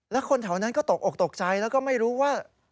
แล้วคนแถวนั้นก็ตกออกตกใจแล้วก็ไม่รู้ว่า